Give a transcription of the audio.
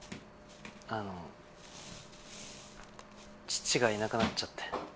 あの父がいなくなっちゃって。